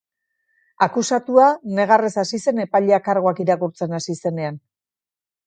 Akusatua negarrez hasi zen epailea karguak irakurtzen hasi zenean.